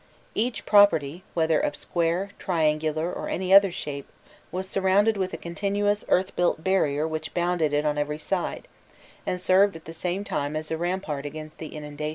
Each property, whether of square, triangular, or any other shape, was surrounded with a continuous earth built barrier which bounded it on every side, and served at the same time as a rampart against the inundation.